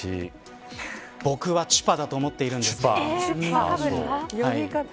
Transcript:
僕はチュパだと思っているんですが。